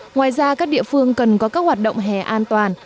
ngoài ra các địa phương cần có các hoạt động hè an toàn